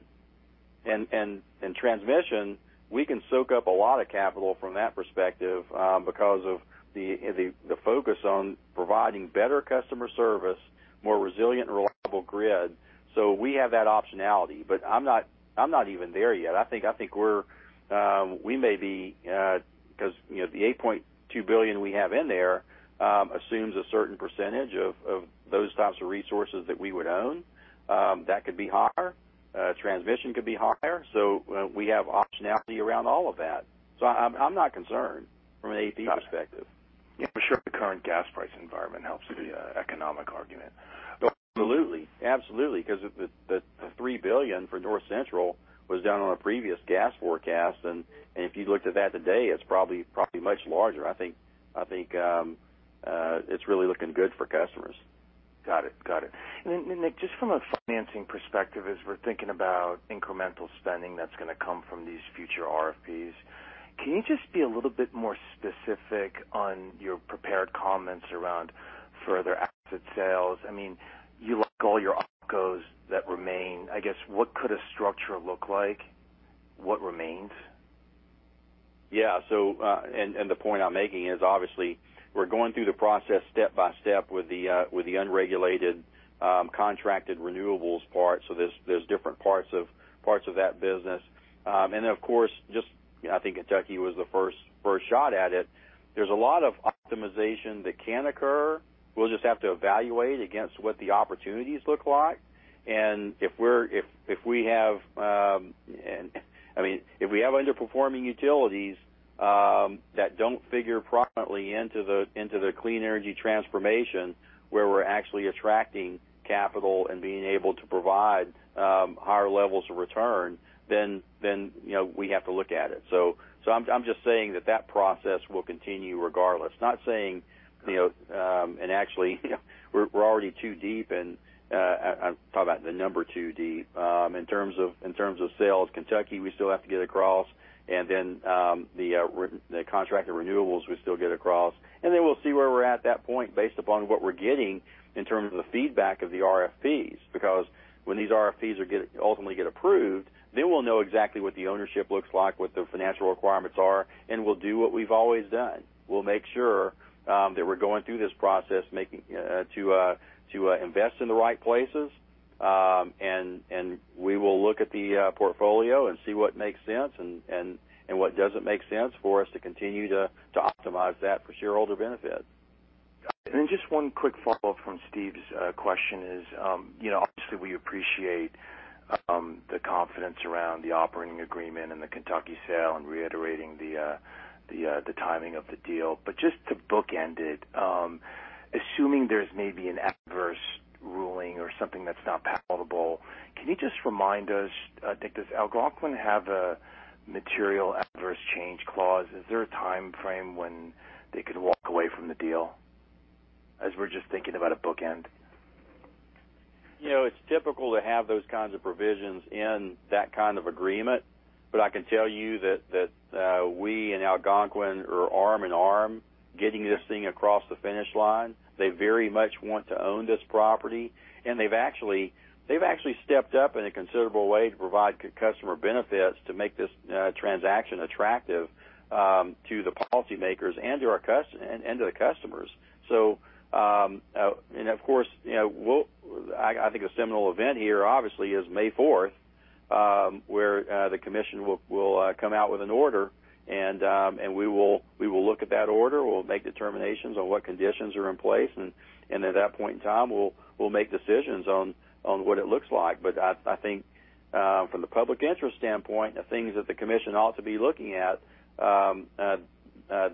Transmission, we can soak up a lot of capital from that perspective, because of the focus on providing better customer service, more resilient, reliable grid. We have that optionality. But I'm not even there yet. I think we're 'cause, you know, the $8.2 billion we have in there assumes a certain percentage of those types of resources that we would own. That could be higher. Transmission could be higher. We have optionality around all of that. I'm not concerned from an AEP perspective. Yeah, for sure the current gas price environment helps the economic argument. Absolutely. Because the $3 billion for North Central was done on a previous gas forecast. If you looked at that today, it's probably much larger. I think it's really looking good for customers. Got it. Nick, just from a financing perspective, as we're thinking about incremental spending that's gonna come from these future RFPs, can you just be a little bit more specific on your prepared comments around further asset sales? I mean, you like all your OPCOs that remain. I guess, what could a structure look like? What remains? Yeah. The point I'm making is obviously we're going through the process step-by-step with the unregulated, contracted renewables part. There's different parts of that business. Of course, just, I think Kentucky was the first shot at it. There's a lot of optimization that can occur. We'll just have to evaluate against what the opportunities look like. If we have, I mean, if we have underperforming utilities that don't figure profitably into the clean energy transformation, where we're actually attracting capital and being able to provide higher levels of return, then, you know, we have to look at it. I'm just saying that process will continue regardless. Not saying, you know, actually we're already too deep. I thought about the number too deep. In terms of sales, Kentucky, we still have to get across. Then, the contract of renewables, we still get across. Then we'll see where we're at that point based upon what we're getting in terms of the feedback of the RFPs. Because when these RFPs ultimately get approved, we'll know exactly what the ownership looks like, what the financial requirements are, and we'll do what we've always done. We'll make sure that we're going through this process to invest in the right places. We will look at the portfolio and see what makes sense and what doesn't make sense for us to continue to optimize that for shareholder benefit. Just one quick follow-up from Steve's question is, you know, obviously, we appreciate the confidence around the operating agreement and the Kentucky sale and reiterating the timing of the deal. But just to bookend it, assuming there's maybe an adverse ruling or something that's not palatable, can you just remind us, Nick, does Algonquin have a material adverse change clause? Is there a timeframe when they could walk away from the deal? As we're just thinking about a bookend. You know, it's typical to have those kinds of provisions in that kind of agreement. But I can tell you that we and Algonquin are arm in arm getting this thing across the finish line. They very much want to own this property, and they've actually stepped up in a considerable way to provide customer benefits to make this transaction attractive to the policymakers and to our customers. Of course, you know, I think a seminal event here obviously is May 4th, where the commission will come out with an order. We will look at that order. We'll make determinations on what conditions are in place. At that point, Tom will make decisions on what it looks like. I think from the public interest standpoint, the things that the commission ought to be looking at,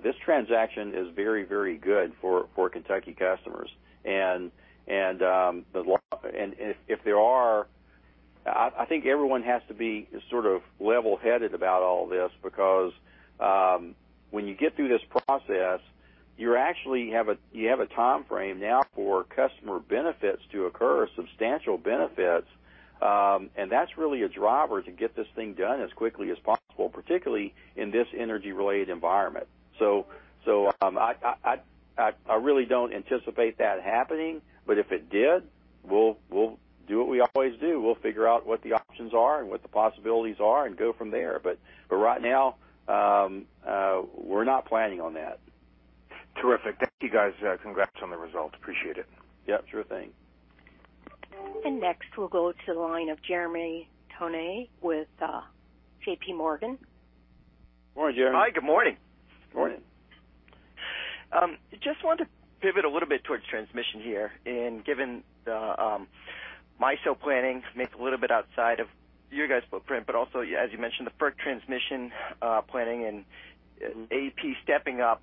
this transaction is very good for Kentucky customers. I think everyone has to be sort of level-headed about all this because when you get through this process, you actually have a timeframe now for customer benefits to occur, substantial benefits. That's really a driver to get this thing done as quickly as possible, particularly in this energy-related environment. I really don't anticipate that happening, but if it did, we'll do what we always do. We'll figure out what the options are and what the possibilities are and go from there. Right now, we're not planning on that. Terrific. Thank you, guys. Congrats on the results. Appreciate it. Yeah, sure thing. Next, we'll go to the line of Jeremy Tonet with JPMorgan. Morning, Jeremy. Hi, good morning. Morning. Just wanted to pivot a little bit towards transmission here. Given the MISO planning, maybe a little bit outside of your guys' footprint, but also, as you mentioned, the FERC transmission planning and AEP stepping up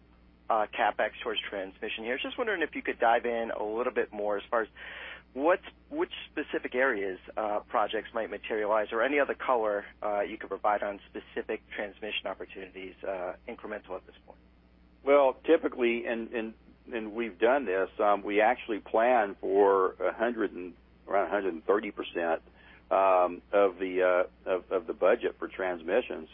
CapEx towards transmission here. Just wondering if you could dive in a little bit more as far as which specific areas, projects might materialize or any other color you could provide on specific transmission opportunities incremental at this point. Well, typically, we've done this. We actually plan for around 130% of the budget for transmission.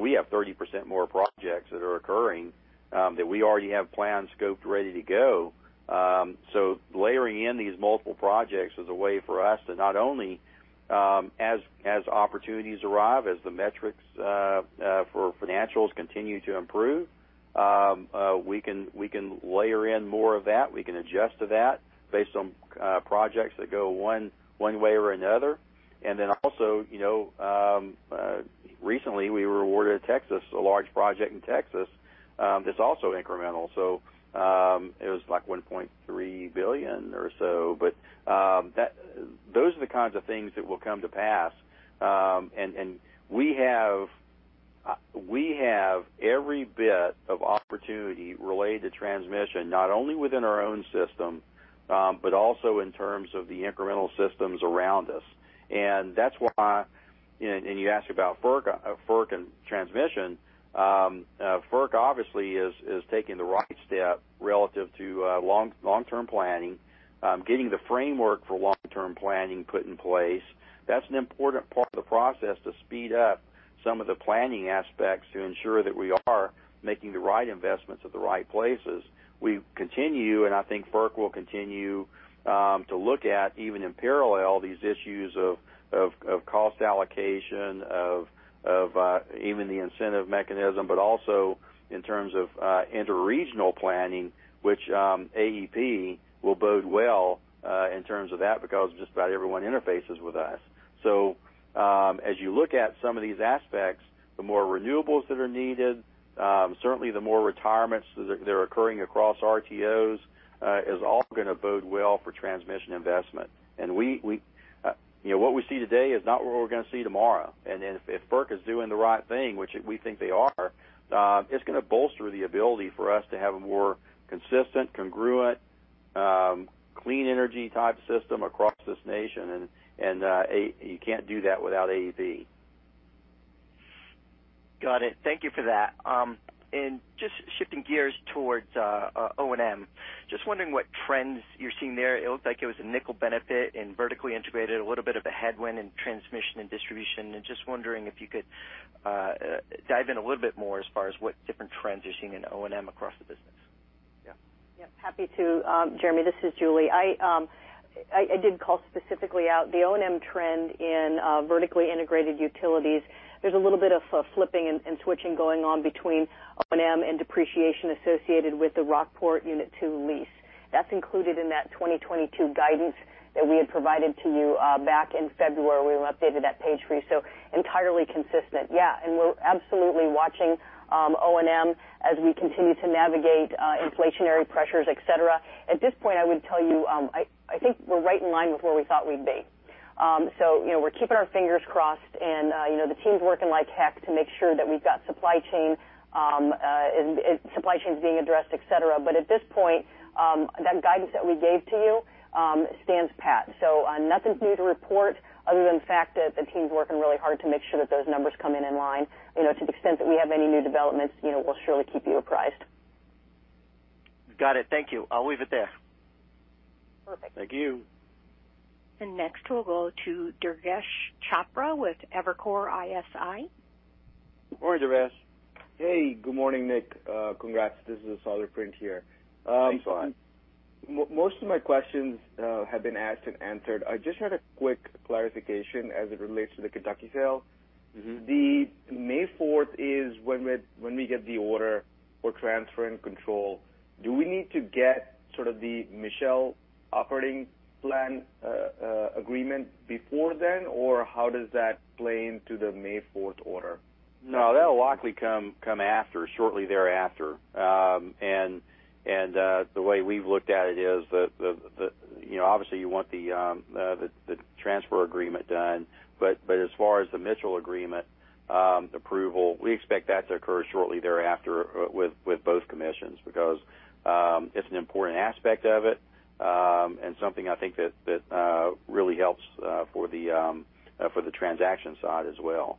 We have 30% more projects that are occurring that we already have planned, scoped, ready to go. Layering in these multiple projects is a way for us to not only, as opportunities arrive, as the metrics for financials continue to improve, we can layer in more of that. We can adjust to that based on projects that go one way or another. Then also, you know, recently we were awarded a large project in Texas that's also incremental. It was like $1.3 billion or so. Those are the kinds of things that will come to pass. We have every bit of opportunity related to transmission, not only within our own system, but also in terms of the incremental systems around us. You asked about FERC and transmission. FERC obviously is taking the right step relative to long-term planning, getting the framework for long-term planning put in place. That's an important part of the process to speed up some of the planning aspects to ensure that we are making the right investments at the right places. We continue, and I think FERC will continue to look at, even in parallel, these issues of cost allocation, of even the incentive mechanism, but also in terms of interregional planning, which AEP will bode well in terms of that, because just about everyone interfaces with us. So, as you look at some of these aspects, the more renewables that are needed, certainly the more retirements that are occurring across RTOs is also gonna bode well for transmission investment. We, you know, what we see today is not what we're gonna see tomorrow. If FERC is doing the right thing, which we think they are, it's gonna bolster the ability for us to have a more consistent, congruent clean energy-type system across this nation. You can't do that without AEP. Got it. Thank you for that. Just shifting gears towards O&M. Just wondering what trends you're seeing there. It looked like it was a nickel benefit in vertically integrated, a little bit of a headwind in transmission and distribution. Just wondering if you could dive in a little bit more as far as what different trends you're seeing in O&M across the business. Yeah. Yeah, happy to. Jeremy, this is Julie. I did call specifically out the O&M trend in vertically integrated utilities. There's a little bit of flipping and switching going on between O&M and depreciation associated with the Rockport Unit two. That's included in that 2022 guidance that we had provided to you back in February when we updated that page for you. Entirely consistent. Yeah, we're absolutely watching O&M as we continue to navigate inflationary pressures, et cetera. At this point, I would tell you, I think we're right in line with where we thought we'd be. You know, we're keeping our fingers crossed, and you know, the team's working like heck to make sure that we've got supply chain and supply chains being addressed, et cetera. At this point, that guidance that we gave to you stands pat. Nothing new to report other than the fact that the team's working really hard to make sure that those numbers come in in line. You know, to the extent that we have any new developments, you know, we'll surely keep you apprised. Got it. Thank you. I'll leave it there. Perfect. Thank you. Next, we'll go to Durgesh Chopra with Evercore ISI. Morning, Durgesh. Hey, good morning, Nick. Congrats. This is a solid print here. Thanks a lot. Most of my questions have been asked and answered. I just had a quick clarification as it relates to the Kentucky sale. Mm-hmm. The May fourth is when we get the order for transfer and control. Do we need to get sort of the Mitchell operating plan agreement before then, or how does that play into the May fourth order? No, that'll likely come after shortly thereafter. The way we've looked at it is, you know, obviously you want the transfer agreement done. As far as the Mitchell agreement approval, we expect that to occur shortly thereafter with both commissions because it's an important aspect of it and something I think that really helps for the transaction side as well.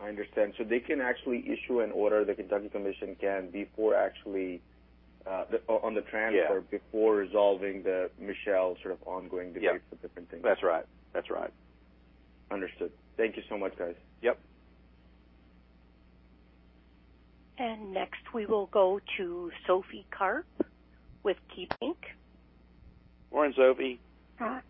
I understand. They can actually issue an order, the Kentucky Commission can, before actually, on the transfer. Yeah. before resolving the Mitchell sort of ongoing debates. Yeah. with different things. That's right. That's right. Understood. Thank you so much, guys. Yep. Next, we will go to Sophie Karp with KeyBanc. Morning, Sophie. Hi.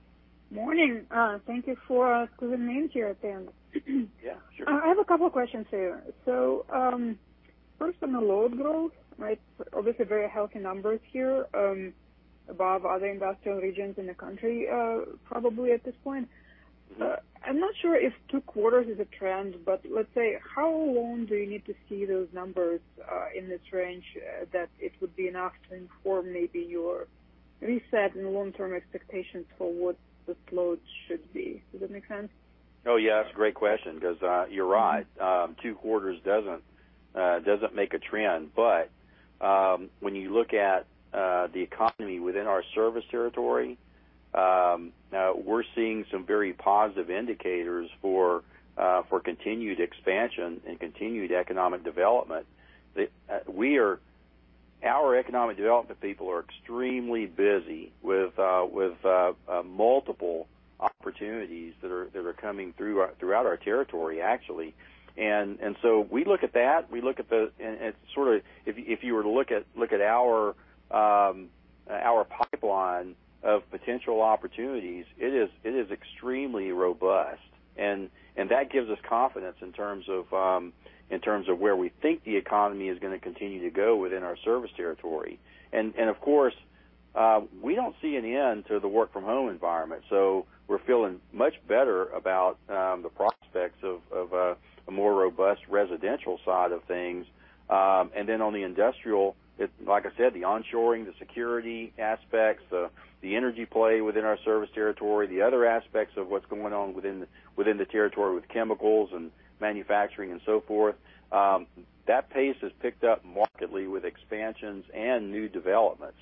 Morning. Thank you for giving me here a turn. Yeah, sure. I have a couple questions here. First on the load growth, right? Obviously very healthy numbers here, above other industrial regions in the country, probably at this point. I'm not sure if two quarters is a trend, but let's say, how long do you need to see those numbers, in this range, that it would be enough to inform maybe your reset in long-term expectations for what the load should be? Does that make sense? Oh, yeah. That's a great question because, you're right. Two quarters doesn't make a trend. When you look at the economy within our service territory, we're seeing some very positive indicators for continued expansion and continued economic development that our economic development people are extremely busy with multiple opportunities that are coming throughout our territory, actually. We look at that. Sort of if you were to look at our pipeline of potential opportunities, it is extremely robust. That gives us confidence in terms of where we think the economy is gonna continue to go within our service territory. Of course, we don't see an end to the work from home environment, so we're feeling much better about the prospects of a more robust residential side of things. Then on the industrial, it's like I said, the onshoring, the security aspects, the energy play within our service territory, the other aspects of what's going on within the territory with chemicals and manufacturing and so forth, that pace has picked up markedly with expansions and new developments.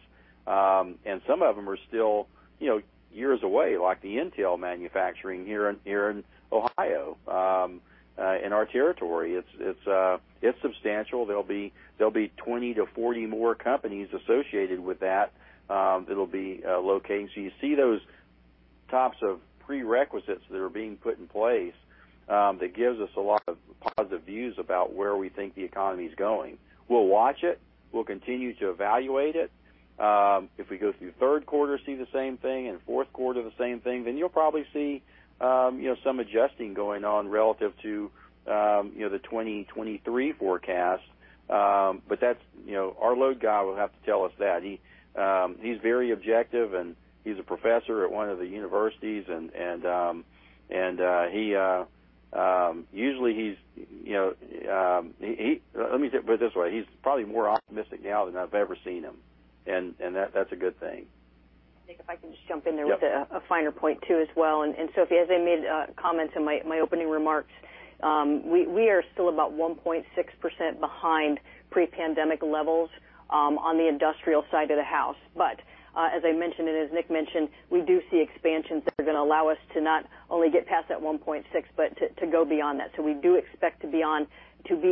Some of them are still, you know, years away, like the Intel manufacturing here in Ohio, in our territory. It's substantial. There'll be 20-40 more companies associated with that. It'll be locations. You see those types of prerequisites that are being put in place that gives us a lot of positive views about where we think the economy's going. We'll watch it. We'll continue to evaluate it. If we go through Q3, see the same thing, and Q4, the same thing, then you'll probably see, you know, some adjusting going on relative to, you know, the 2023 forecast. That's, you know, our load guy will have to tell us that. He's very objective, and he's a professor at one of the universities. Let me put it this way. He's probably more optimistic now than I've ever seen him. That's a good thing. Nick, if I can just jump in there. Yep. with a finer point too as well. Sophie, as I made comments in my opening remarks, we are still about 1.6% behind pre-pandemic levels on the industrial side of the house. As I mentioned, and as Nick mentioned, we do see expansions that are gonna allow us to not only get past that 1.6, but to go beyond that. We do expect to be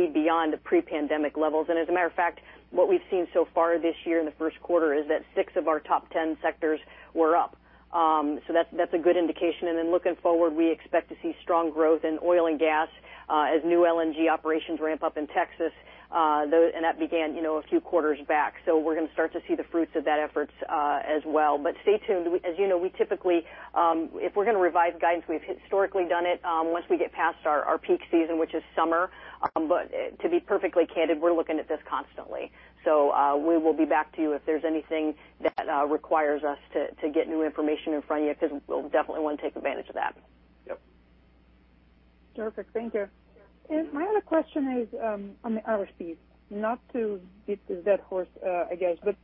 beyond the pre-pandemic levels. As a matter of fact, what we've seen so far this year in the Q1 is that six of our top ten sectors were up. That's a good indication. Looking forward, we expect to see strong growth in oil and gas as new LNG operations ramp up in Texas. That began, you know, a few quarters back. We're gonna start to see the fruits of that efforts, as well. Stay tuned. As you know, we typically, if we're gonna revise guidance, we've historically done it, once we get past our peak season, which is summer. To be perfectly candid, we're looking at this constantly. We will be back to you if there's anything that requires us to get new information in front of you, because we'll definitely want to take advantage of that. Yep. Perfect. Thank you. My other question is on the RFPs, not to beat the dead horse, I guess, but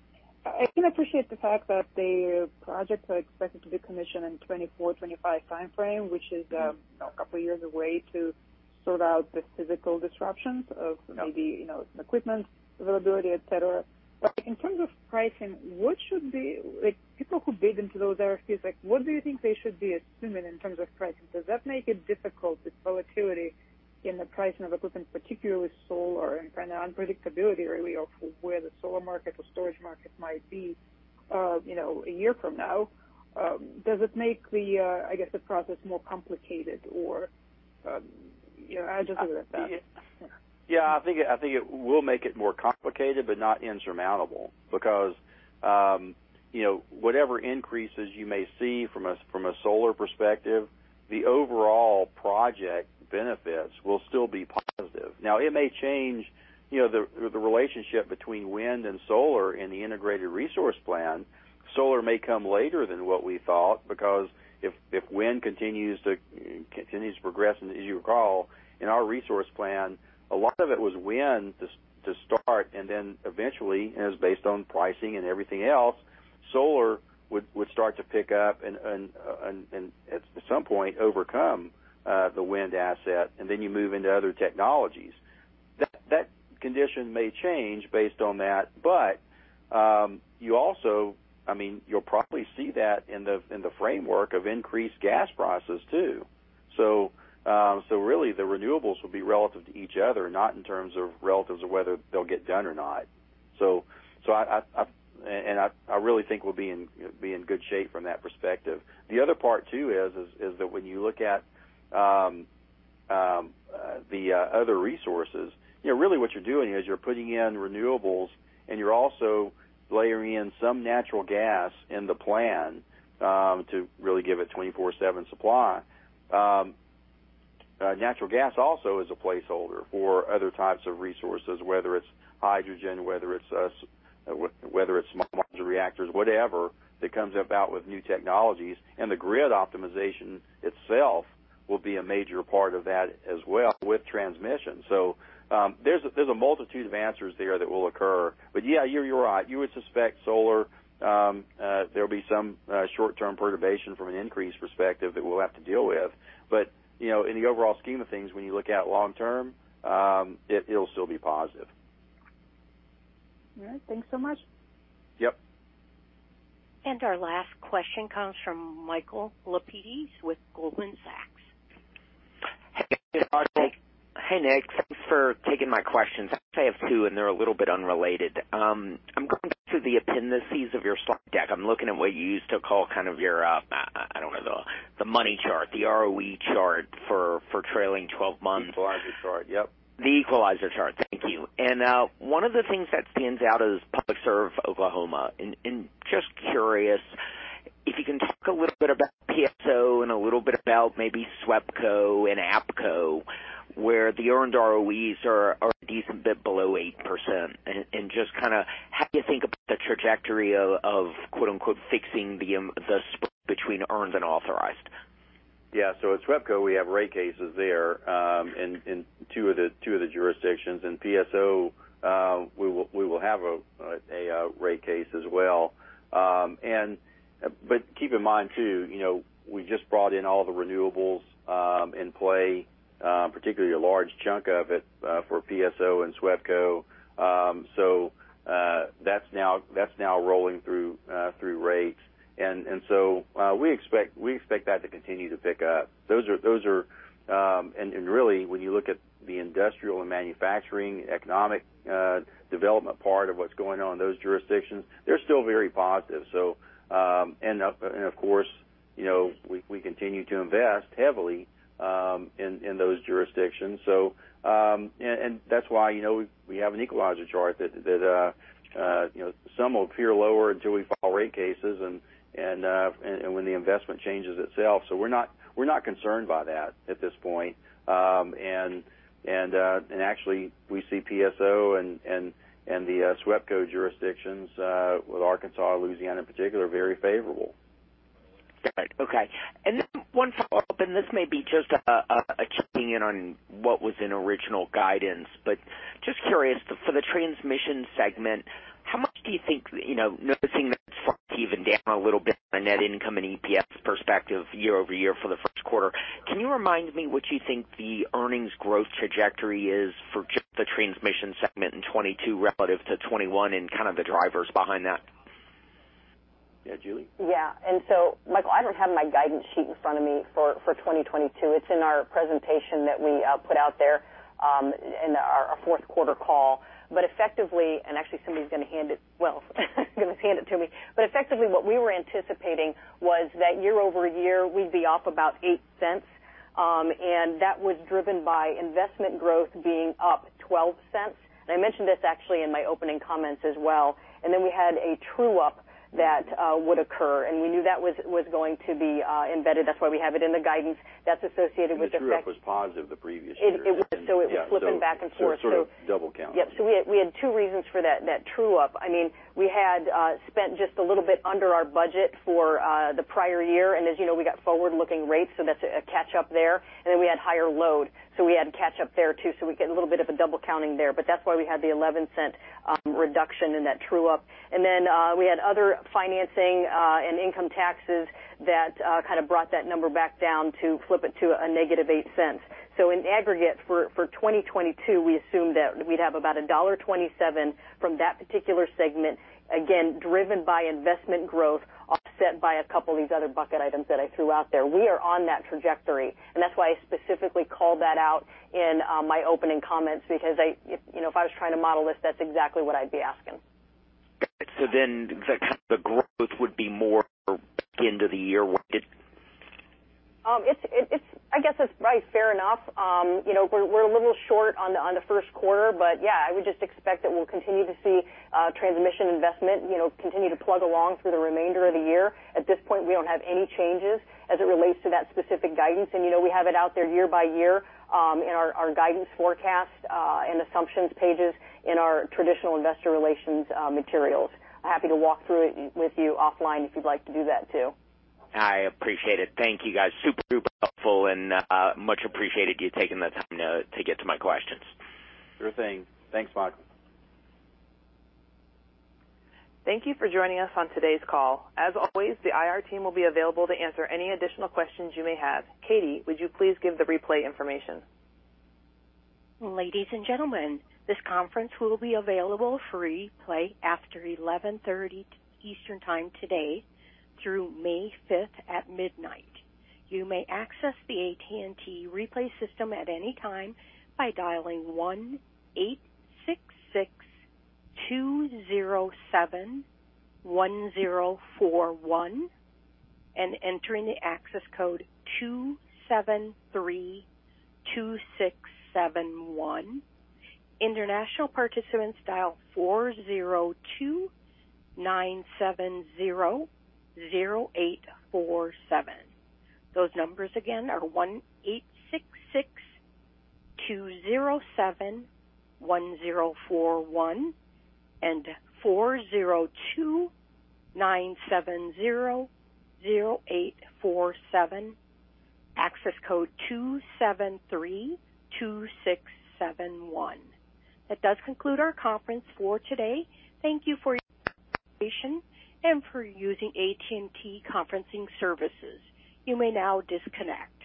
I can appreciate the fact that the projects are expected to be commissioned in 2024, 2025 timeframe, which is a couple years away to sort out the physical disruptions of maybe, you know, equipment availability, et cetera. In terms of pricing, what should be... Like, people who bid into those RFPs, like, what do you think they should be assuming in terms of pricing? Does that make it difficult, the volatility in the pricing of equipment, particularly solar and kind of unpredictability really of where the solar market or storage market might be, you know, a year from now? Does it make the, I guess, the process more complicated or, you know, I just wonder about that. Yeah, I think it will make it more complicated, but not insurmountable because, you know, whatever increases you may see from a solar perspective, the overall project benefits will still be positive. Now, it may change the relationship between wind and solar in the integrated resource plan. Solar may come later than what we thought because if wind continues to progress. As you recall, in our resource plan, a lot of it was wind to start, and then eventually, as based on pricing and everything else, solar would start to pick up and at some point overcome the wind asset, and then you move into other technologies. That condition may change based on that. You also. I mean, you'll probably see that in the framework of increased gas prices, too. Really the renewables will be relative to each other, not in terms of relative to whether they'll get done or not. I really think we'll be in good shape from that perspective. The other part too is that when you look at the other resources, you know, really what you're doing is you're putting in renewables and you're also layering in some natural gas in the plan to really give it 24/7 supply. Natural gas also is a placeholder for other types of resources, whether it's hydrogen, whether it's modular reactors, whatever that comes about with new technologies. The grid optimization itself will be a major part of that as well with transmission. There's a multitude of answers there that will occur. Yeah, you're right. You would suspect solar, there'll be some short-term perturbation from an increase perspective that we'll have to deal with. You know, in the overall scheme of things, when you look out long term, it'll still be positive. All right. Thanks so much. Yep. Our last question comes from Michael Lapides with Goldman Sachs. Hey, Julie. Hey, Nick. Thanks for taking my questions. I have two, and they're a little bit unrelated. I'm going through the appendices of your slide deck. I'm looking at what you used to call kind of your, I don't know, the money chart, the ROE chart for trailing twelve months. Equalizer chart. Yep. The equalizer chart. Thank you. One of the things that stands out is Public Service Company of Oklahoma. Just curious if you can talk a little bit about PSO and a little bit about maybe SWEPCO and APCo, where the earned ROEs are a decent bit below 8%. Just kinda how do you think about the trajectory of quote-unquote fixing the split between earned and authorized? Yeah. At SWEPCO, we have rate cases there in two of the jurisdictions. In PSO, we will have a rate case as well. Keep in mind too, you know, we just brought in all the renewables in play, particularly a large chunk of it for PSO and SWEPCO. That's now rolling through rates. We expect that to continue to pick up. Those are really, when you look at the industrial and manufacturing economic development part of what's going on in those jurisdictions, they're still very positive. Of course, you know, we continue to invest heavily in those jurisdictions. That's why, you know, we have an equalizer chart that some will appear lower until we file rate cases and when the investment changes itself. We're not concerned by that at this point. Actually we see PSO and the SWEPCO jurisdictions with Arkansas, Louisiana in particular, very favorable. Got it. Okay. One follow-up, and this may be just a checking in on what was in original guidance. Just curious for the transmission segment, how much do you think, you know, noticing that it's evened down a little bit on a net income and EPS perspective year-over-year for the Q1, can you remind me what you think the earnings growth trajectory is for just the transmission segment in 2022 relative to 2021 and kind of the drivers behind that? Yeah. Julie? Michael, I don't have my guidance sheet in front of me for 2022. It's in our presentation that we put out there in our Q4 call. Effectively, actually somebody's gonna hand it to me. Effectively what we were anticipating was that year-over-year we'd be off about $0.08. That was driven by investment growth being up $0.12. I mentioned this actually in my opening comments as well, and then we had a true-up that would occur and we knew that was going to be embedded. That's why we have it in the guidance that's associated with- The true-up was positive the previous year. It was. It was flipping back and forth. It sort of double counted. Yes. We had two reasons for that true-up. I mean, we had spent just a little bit under our budget for the prior year, and as you know, we got forward-looking rates, so that's a catch up there. We had higher load, so we had to catch up there, too. We get a little bit of a double counting there. That's why we had the $0.11 reduction in that true-up. We had other financing and income taxes that kind of brought that number back down to flip it to a -$0.08. In aggregate for 2022, we assumed that we'd have about $1.27 from that particular segment, again, driven by investment growth, offset by a couple of these other bucket items that I threw out there. We are on that trajectory, and that's why I specifically called that out in my opening comments, because you know, if I was trying to model this, that's exactly what I'd be asking. The kind of growth would be more back end of the year, would it? I guess it's probably fair enough. You know, we're a little short on the Q1, but yeah, I would just expect that we'll continue to see transmission investment, you know, continue to plug along for the remainder of the year. At this point, we don't have any changes as it relates to that specific guidance. You know, we have it out there year by year, in our guidance forecast and assumptions pages in our traditional investor relations materials. I'm happy to walk through it with you offline if you'd like to do that too. I appreciate it. Thank you, guys. Super, super helpful and, much appreciated you taking the time to get to my questions. Sure thing. Thanks, Mark. Thank you for joining us on today's call. As always, the IR team will be available to answer any additional questions you may have. Katie, would you please give the replay information? Ladies and gentlemen, this conference will be available for replay after 11:30 A.M. Eastern Time today through May 5th at midnight. You may access the AT&T replay system at any time by dialing 1-866-207-1041 and entering the access code 2732671. International participants dial 402-970-0847. Those numbers again are 1-866-207-1041 and 402-970-0847, access code 2732671. That does conclude our conference for today. Thank you for your participation and for using AT&T Conferencing Services. You may now disconnect.